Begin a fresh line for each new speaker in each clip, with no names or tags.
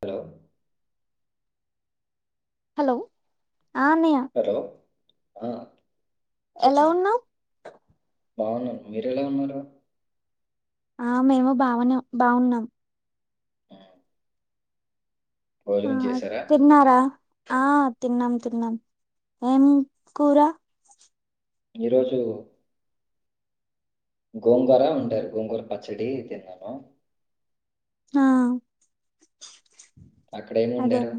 Hello
hello ఆ అన్నయ్య
hello ఆ
ఎలా
చెప్పమ్మా
ఉన్నావ్
బాగున్నాను మీరెలా ఉన్నారు
ఆ మేము బావనే బాగున్నాం ఆ
భోజనం చేశారా
తిన్నారా ఆ తిన్నాం తిన్నాం ఏం కూర
ఈరోజు గోంగూర వండారు గోంగూర పచ్చడి తిన్నాను
ఆ
అక్కడ ఏమి
అదే
వండారు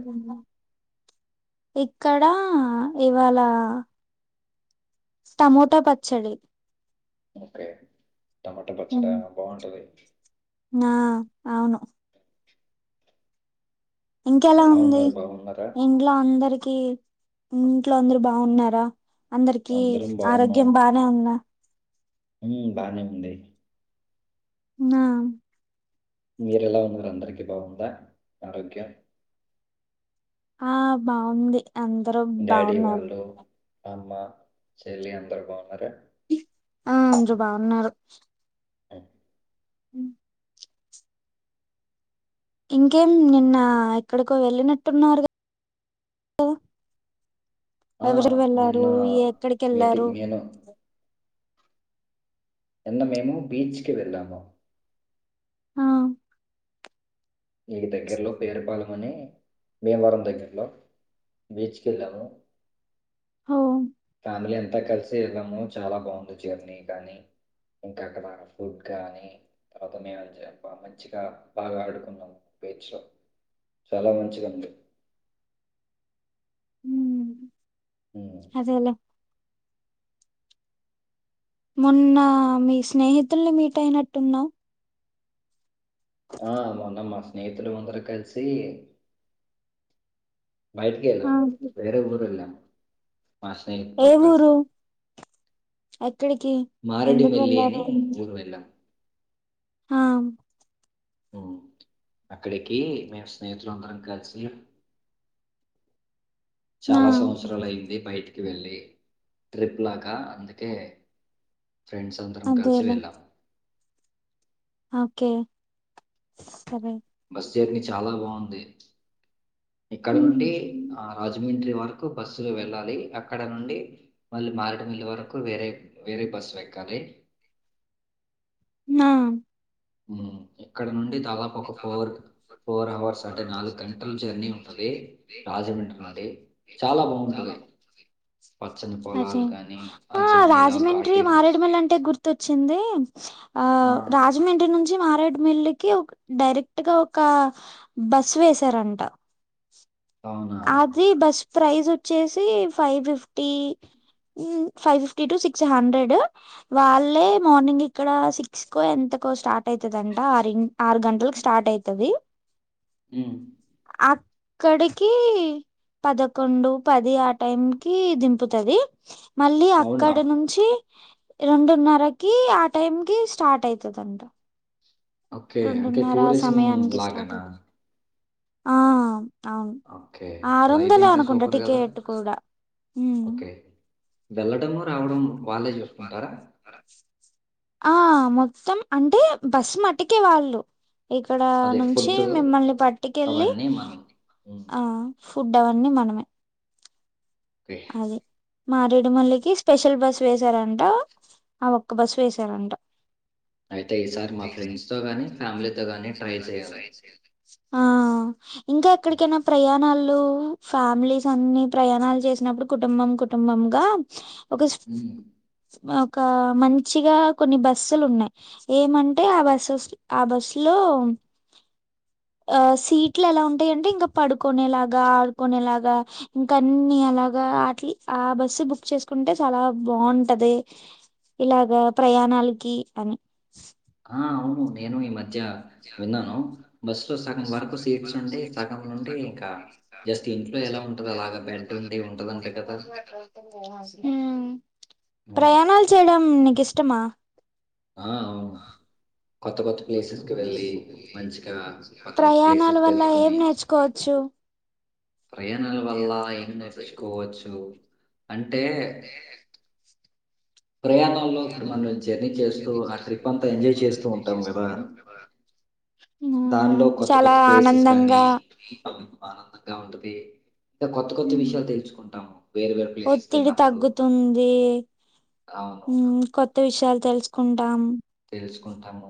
ఇక్కడ ఇవాళ టమోటా పచ్చడి
ఓకే టమాటా పచ్చడా బాగుంటది
నా అవును ఇంకెలా
ఎలా
ఉంది
ఉన్నారు బాగున్నారా
ఇంట్లో అందరికి ఇంట్లో అందరు బాగున్నారా అందరికీ
అందరం బాగున్నాం
ఆరోగ్యం బానే ఉందా
ఉమ్ బానే ఉంది
నా
మీరెలా ఉన్నారు అందరికిీ బాగుందా ఆరోగ్యం
ఆ బాగుంది అందరూ
డాడీ
బావున్నారు
వాళ్ళు అమ్మ చెల్లి అందరు బాగున్నారా
ఆ అందరూ బాగున్నారు
అమ్
ఉమ్ ఇంకేం నిన్న ఎక్కడికో వెళ్ళినట్టున్నారు
ఆ,
ఎవరెవరు వెళ్లారు
నిన్న
ఎక్కడికి వెళ్ళారు
మీటింగ్ నేను నిన్న మేము బీచ్ కి వెళ్ళాము
ఆ
మీకు దగ్గరలో పేరుపాలెం అని భీమవరం దగ్గరలో బీచ్‌కు వెళ్లాము
ఓ
కానీ అది అంత కలిసి వెళ్ళాము చాలా బాగుంది జర్నీ కాని ఇంకా అక్కడ ఫుడ్ గాని తర్వాత మేము మంచిగా బాగా ఆడుకున్నాం బీచ్ లో చాలా మంచిదండి
ఉమ్, అదేలే మొన్న మీ స్నేహితుల్ని మీట్ అయినట్టు ఉన్నావ్
ఆ మొన్న మా స్నేహితులు అందరు కలిసి
ఆ,
బయటికెళ్ళాం వేరే ఊరెళ్ళాం మా స్నేహిత్ తో
ఏ
కలిసి
ఊరు ఎక్కడికి ఎందుకు
మారేడుమిల్లి అని ఊరు వెళ్లాం
హం
ఉమ్ అక్కడికి మేము స్నేహితులు అందరం కలిసి
నా
చాలా సంవత్సరాలు అయింది బయటికి వెళ్ళి ట్రిప్ లాగా అందుకే ఫ్రెండ్స్ అందరం కలిసి
అదేలే
వెళ్లాం
ఓకే సరే
బస్ జర్నీ చాలా బాగుంది ఇక్కడ
ఉమ్,
నుండి ఆ రాజమండ్రి వర కు బస్సులు వెళ్ళాలి అక్కడ నుండి మళ్ళీ మారడుమిల్లి వరకు వేరే వేరే బస్సు ఎక్కాలి కే
నా
ఉమ్ ఇక్కడ నుండి దాదాపు ఒక ఫోర్ ఫోర్ అవర్స్ అంటే నాలుగు గంటలు జర్నీ ఉంటది రాజమండ్రి నుండి చాలా బాగుంటది
అదే ఆ
జర్నీలో
రాజమండ్రి
ఘాటీ రోడ్స్.
మారేడుమల్లి అంటే గుర్తొచ్చింది అ
ఆ!
రాజమండ్రి నుంచి మారేడ్ మిల్లికి ఒక డైరెక్ట్ గా ఒక బస్ వేసారంట
అవునా?
అది బస్ ప్రైస్ వచ్చేసి five fifty five fifty to six hundred వాళ్ళే మార్నింగ్ ఇక్కడ సిక్స్ కో ఎంత కో స్టార్ట్ అయితదంట ఆరిం ఆరు గంటలకు స్టార్ట్ అయితది
ఉ
అక్కడిక్ కి పదకొండు, పది ఆ టైం కి దింపుతది మళ్ళీ
అవునా?
అక్కడి నుంచి రెండున్నరకి ఆ టైం కి స్టార్ట్ అయితదంట
ఓకే అంటే
రెండున్నర
టూరిజం
సమయానికి స్టార్ట్
లాగానా
అయిత ఆ అవును
ఓకే.
ఆరు
అలా అయితే
వందలే
ఇంకా
అనుకుంటా
సూపర్ గదా!
టికెట్ కూడా ఉ
వెళ్లడము రావడము వాళ్ళే చూసుకుంటారా
ఆ మొత్తం అంటే బస్సు మట్టుకే వాళ్ళు ఇక్కడ
అదే
నుంచి
ఫుడ్డు
మిమ్మల్ని పట్టుకెళ్ళి
అవన్నీ మనం. హ్మ్.
ఆ ఫుడ్ అవన్నీ మనమే
ఓకే.
అది మారేడుమల్లికి స్పెషల్ బస్ వేసారంట ఆ ఒక్క బస్ వేసారంట
అయితే ఈసారి మా ఫ్రెండ్స్ తో గాని, ఫ్యామిలీతో గాని ట్రై చేయాలి.
ఆ ఇంకా
హ్మ్.
ఎక్కడికైనా ప్రయాణాలు ఫ్యామిలీస్ అన్ని ప్రయాణాలు చేసి నప్పుడు కుటుంబం కుటుంబంగా ఒక
హ్మ్.
ఒక మంచిగా కొన్ని బస్సులు ఉన్నాయి ఏమంటే ఆ బస్సుస్ ఆ బస్సు లో ఓ ఆ సీట్లు ఎలా ఉంటాయింటే ఇంకా పడుకునేలాగా ఆడుకునేలాగా ఇంకా అన్ని అలా గా ఆట్ల ఆ బస్సు బుక్ చేసుకుంటే చాలా బావుంటది ఇలాగా ప్రయాణాలకి అని
ఆ అవును నేను ఈ మ మధ్య విన్నాను బస్ లో సగం వరకు సీట్స్ వుండి సగం నుండి ఇంకా జస్ట్ ఇంట్లో ఎలా ఉంటదో అలాగా బెడ్ ఉండి ఉంటదంట కదా!
ఉమ్
హ్మ్.
ప్రయాణాలు చేయడం నీకిష్టమా
ఆ అవును కొత్త కొత్త ప్లేసెస్‌కి వెళ్ళి, మంచిగా కొత్త కొత్త
ప్రయాణాల
ప్లేసెస్
వల్ల ఏం
తెలుసుకొని
నేర్చుకోవచ్చు
ప్రయాణాల వల్ల ఏం నేర్చుకోవచ్చు అంటే ప్రయాణంలో ఇప్పుడు మనం జర్నీ చేస్
చేస్తూ అన్ని కొత్తయి అచివ్ చేస్తూ ఉంటాం కదా
దానిలో కొత్త కొత్త ప్లేసెస్ కానీ
ఆనందంగా
ఆనందంగా ఉంటది ఇంకా కొత్త కొత్త
మ్మ్.
విషయాలు తెలుసుకుంటాము వేరే వేరే ప్లేసెస్కి
ఒత్తిడి
వెళ్ళినప్పుడు
తగ్గుతుంది
అవును
ఉమ్ కొత్త విషయాలు తెలుసుకుంటాం
తెలుసుకుంటాము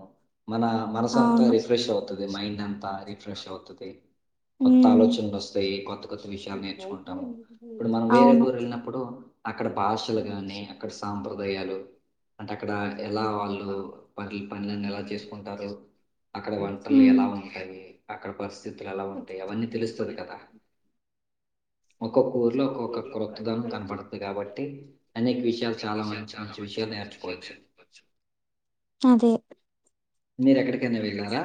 మన మనసంతా
అవును
రిఫ్రెష్ అవుతది మైండ్ అంతా రిఫ్రెష్ అవుతది కొత్త
ఉమ్
ఆలోచనలు వస్తాయి కొత్త కొత్త విషయాలు నేర్చుకుంటాము. ఇప్పుడు మనం వేరే
అవును
ఊరు వెళ్ళినప్పుడు అక్కడ భాషలు గాని అక్కడ సాంప్ర దాయాలు అంటే అక్కడ ఎలా వాళ్లు పనుల్ పనులన్నీ ఎలా చేసుకుంటారు అక్కడ వంటలు
ఉమ్
ఎలా ఉంటాయి అక్కడ పరిస్ పరిస్థితులు అలా ఉంటాయి అవన్నీ తెలుస్తది కదా ఒక్కొక్క ఊరిలో ఒక్కొక్క క్రొత్తదనం కనపడుతది కాబట్టి అనేక విషయాలు చాలా మంచి మంచి విషయాలు నేర్చుకోవచ్చు.
అదే
మీరు ఎక్కడికైనా వెళ్ళారా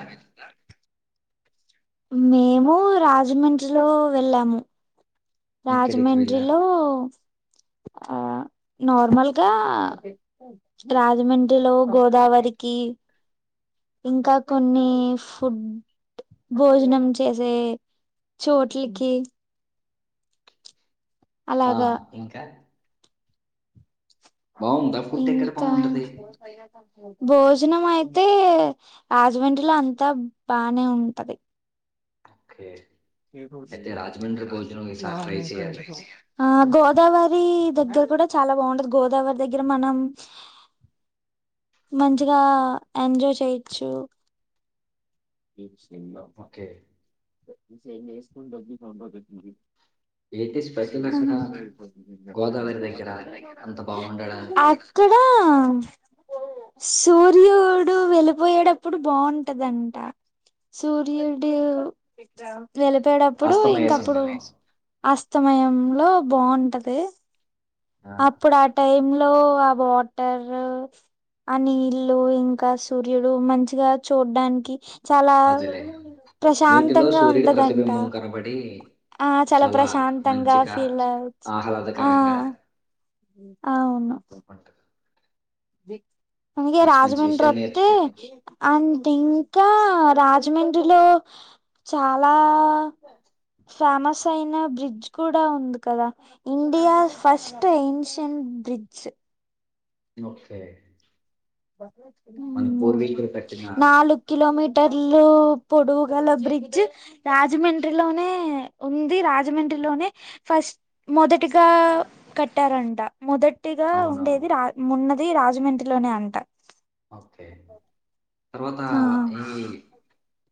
మేము రాజమండ్రిలో వెళ్ళాము
ఎక్కడికి వెళ్లారు?
రాజమండ్రిలో ఆ నార్మల్గా రాజమండ్రిలో గోదావరికి ఇంకా కొన్ని ఫుడ్ భోజనం చేసే చోట్లకి
ఆ
అలాగా
ఇంకా బావుందా? ఫుడ్ ఎక్కడ
ఇంకా
బావుంటది?
భోజనం అయితే రాజమండ్రి లో అంతా బానే ఉంటది
ఓకే అయితే రాజమండ్రి భోజనం
[inaudible]
ఈసారి ట్రై చేయాలి
ఆ గోదావరి దగ్గర కూడా చాలా బాగుంటది గోదావరి దగ్గర మనం మంచిగా ఎంజాయ్ చేయొచ్చు
ఓకే
స్క దర్ సంబతుంది
ఏంటి స్పెషల్ అక్కడ గోదావరి దగ్గర అంత బాగుండడానికి
[unintelligible] అక్కడ సూర్యుడు వెళ్ళిపోయేటప్పుడు బాగుంటదంట సూర్యుడు వేలిపోయేటప్పుడు
అస్తమయ
ఇంకప్పుడు
సమయంలో
అస్తమయంలో బాగుంటది
ఆ,
అప్పుడు ఆ టైమ్ లో ఆ వాటర్ ఆ నీళ్ళు ఇంకా సూర్యుడు మంచిగా చూడ్డానికి చాలా
అదిలే నీటిలో
ప్రశాంతంగా
సూర్యుడి
ఉంటదంట
ప్రతిబింబం కనబడి
ఆ చాలా ప్రశాంతంగా ఫీల్ అవచ్చు ఆ
ఆహ్లాదకరంగా
అవును
అంట [inaudible]
అందుకే
మంచి
రాజమండ్రి
విషయాలు
వత్తే
నేర్చుకుంటున్నాం
అ ఇంకా రాజమండ్రిలో చాలా ఫేమస్ అయిన బ్రిడ్జ్ కూడా ఉంది కదా India first ancient bridge
okay మన పూర్వీకులు కట్టిన
నాలుగు కిలోమీటర్లు పొడువుగల బ్రిడ్జ్ రాజమండ్రిలోనే ఉంది రాజమండ్రిలోనే ఫస్ట్ చ్ మొదటిగా కట్టారంట మొదటిగా
అవునవును
ఉండేది రా ఉన్నది రాజమండ్రిలోనే అంట
ఓకే తర్వాత
ఆ
ఈ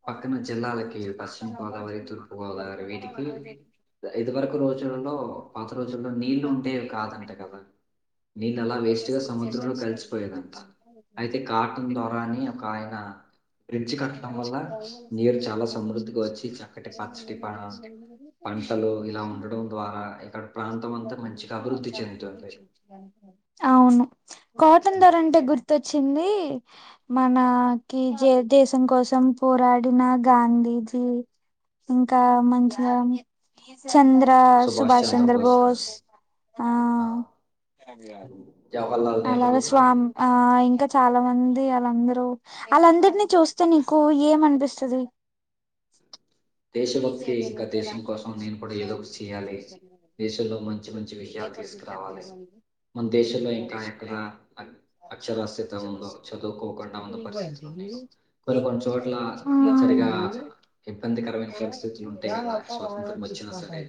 పక్కన జిల్లాలకి పశ్చిమ గోదావరి తూర్పు గోదావరి వీటికి ఇదివరకు రోజులలో పాత రోజుల్లో నీళ్లు ఉంటేవి కాదంట కదా నీళ్ళు అలా వేస్ట్ గా సముద్రం లో కలిసిపోయేదంటా అయితే కాటన్ దొర అని ఒక ఆయన బ్రిడ్జ్ కట్టడం వల్ల
మ అే
నీరు చాలా సమృద్ధిగా వచ్చి చక్కటి పచ్చటి ప
[inaudible]
పంటలు ఇలా ఉండడం ద్వారా ఇక్కడ ప్రాంతం అంతా మంచిగా అభివృద్ధి చెందుతుంది.
అవును కాటన్
ఉమ్.
దొర అంటే గుర్తొచ్చింది మనకి జే దేశం కోసం పోరాడిన గాంధీజీ ఇంకా మంచిగా చంద్ర
సుభాష్ చంద్రబోస్ గారు.
సుభాషచంద్రబోస్ ఆ
జవహర్లాల్
అలాగా
నెహ్రూ గారు.
స్వామ్ ఆ ఇంకా చాలా మంది అళ్ళందరూ వాళ్ళందరిని చూస్తే నీకు ఏం అనిపిస్తది?
దేశభక్తి ఇంకా దేశం కోసం నేను కూడా ఏదో ఒకటి చేయాలి. దేశంలో మంచి మంచి విషయాలు తె
[unintelligible] ఉంది
ఇంకా ఎక్కడ అ అక్షరాస్యత ఉందో, చదువుకోకుండా ఉన్న పరిస్థితులు ఉన్నాయో, కొన్ని కొన్ని చోట్ల
[inaudible] ఆ
సరిగా ఇబ్బందికరమైన పరిస్థితులు
[unintelligible]
ఉంటాయి కదా! స్వాతంత్రం వచ్చినా సరే.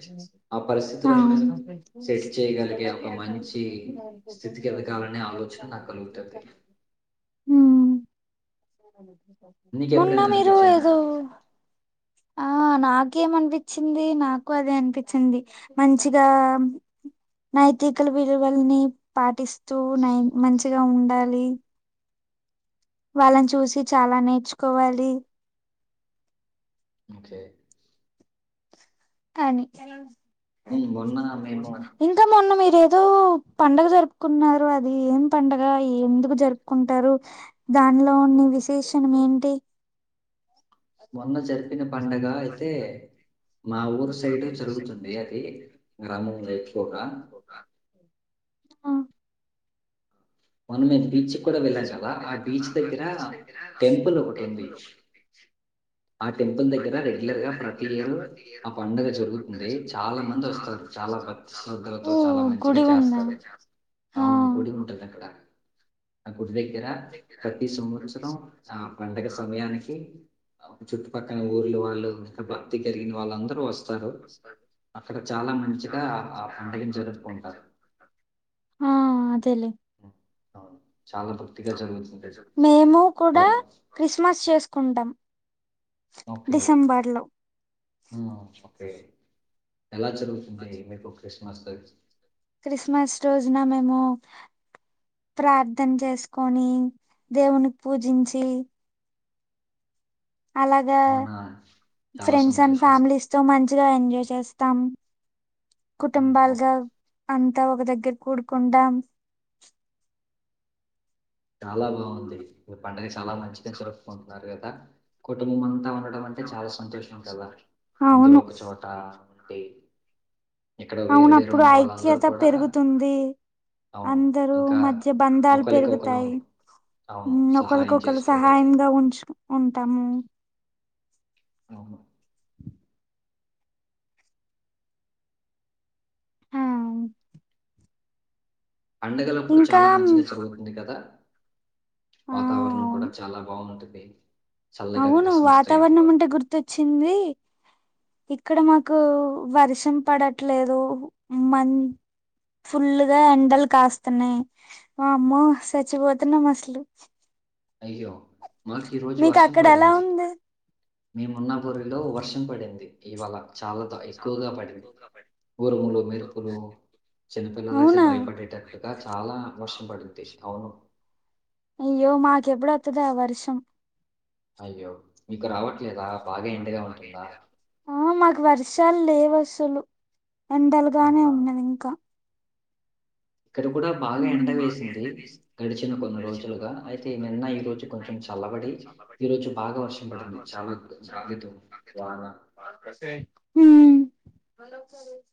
ఆ
ఆ
పరిస్థితులను
అవును
సెట్ చేయగలిగే ఒక మంచి స్థితికి
ఊమ్
ఎదగాలనే ఆలోచన నాకు కలుగుతది.
మొన్న
నీకెప్పుడైనా
మీరు
అనిపించిందా?
ఏదో? ఆ నాకేమనిపించింది నాకు అదే అనిపించింది మంచిగా నైతికల విలువల్ని పాటిస్తూ నై మంచిగా ఉండాలి. వాళ్ళని చూసి చాలా నేర్చుకోవాలి.
ఒకే
కాని
హ్మ్. మొన్న మేము
ఇంకా మొన్న మీరేదో? పండుగ జరుపుకున్నారు అది ఏం పండగ ఎందుకు జరుపుకుంటారు దానిలోని విశేషణం ఏంటి?
మొన్న జరిపిన పండగ అయితే మా ఊరు సైడ్ జరుగుతుంది అది గ్రామం ల ఎక్కువగా
ఆ
మనమే
మూడు వెళ్ళ [unintelligible] ఆ బీచ్ దగ్గర
టెంపుల్ ఒకటి ఉంది
టెంపుల్ ఒకటి ఉంది.
ఆ టెంపుల్ దగ్గర రెగ్యులర్ గా ప్రతి ఇయరు ఆ పండుగ జరుగుతుంది చాలా మంది వస్తారు. చాలా భక్తి శ్రద్ధలతో
ఓ గుడి ఉందా? ఆ
అవును గుడి ఉంటాది అక్కడ ఆ గుడి దగ్గర ప్రతి సంవత్సరం ఆ పండగ సమయానికి చుట్టుపక్కన ఊర్లు వాళ్ళు ఇంకా భక్తి కరిగిన వాళ్ళందరు వస్ అక్కడ చాలా మంచిగా ఆ పండగ జరుపుకుంటారు.
ఆ అదేలే
హ్మ్. అవును. చాలా భక్తిగా జరుగుతుంది.
మేము
ఓ
కూడా క్రిస్మస్ చేసుకుంటాం.
ఓకే.
డిసెంబర్ లో
ఓకే ఎలా జరుగుతుంది మీకు క్రిస్మస్
క్రిస్మస్ రోజున మేము ఆ ప్రార్థన చేసుకొని దేవుని పూజించి అలాగా
అవునా! చాలా
ఫ్రెండ్స్ అండ్
సంతోషం.
ఫ్యామిలీస్ తో మంచిగా ఎంజాయ్ చేస్తాం
హ్మ్. ఓ
కుటుంబాలుగా అ ఒక దగ్గర కూడుకుందాం.
చాలా బాగుంది పండుగ చాలా మంచిగా చెరుపుకుంటున్నారు కదా! కుటుంబం అంతా ఉండడం అంటే చాలా సంతోషం కదా అందరు
అవును
ఒక చోట ఉండి, ఇక్కడ వేరు వేరు
అవునప్పుడు
ఉన్న వాళ్ళందరూ
ఐక్యత
కూడా
పెరుగుతుంది.
అవును.
అందరు
ఇంకా
మధ్య బంధాలు
ఒకలికొకలం
పెరుగుతాయి.
అవును.
ఉమ్
సహాయం
ఒకరికొకరు
చేసుకోగలము.
సహాయంగా ఉంచు ఉంటాము [inaudible]
అవును
ఆ
పండగలప్పుడు
ఇంకా
చాలా మంచిగా జరుగుతుంది కదా
ఆ
వాతావరణం కూడా
అవును
చాలా బాగుంటుంది
అవును వాతావరణం అంటే గుర్తొచ్చింది ఇక్కడ మాకు వర్షం పడట్లేదు మన్ ఫుల్గా ఎండలు కాస్తున్నాయి వామ్మో చచ్చిపోతున్నాం అసలు
అయ్యో మాకు ఈ రోజు
మీకు
వర్షం
అక్కడ ఎలా
పడింది
ఉంది
మేమున్న ఊరిలో వర్షం పడింది ఇవాళ చాలాతో ఎక్కువగా పడింది ఊరుములు మెరుపులు చిన్నపిల్లలు అయితే
అవునా
భయపడేటట్లుగా చాలా వర్షం పడింది అవును
అయ్యో మాకెప్పుడు వాతాత ఆ వర్షం
అయ్యో మీకు రావట్లేదా? బాగా ఎండగా ఉంటుందా?
ఆ మాకు వర్షాలు లేవు అసలు ఎండలుగానే
అవునా!
ఉన్నదీ ఇంకా
ఇక్కడ కూడా బాగా
ఉమ్
ఎండ వేసింది గడిచిన కొన్ని రోజులుగా అయితే నిన్న ఈ రోజు కొంచెం చాల కాబట్టి ఈ రోజు బాగా వర్షం పడింది చాలా గాలిదు వాన
ఉ